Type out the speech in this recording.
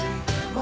あ！